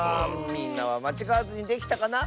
みんなはまちがわずにできたかな？